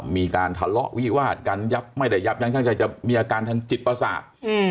มีการทะเลาะวิวาดกันยับไม่ได้ยับยั้งช่างใจจะมีอาการทางจิตประสาท